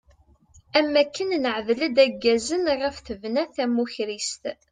Am akken neɛdel-d aggazen iɣef tebna tamukerrist.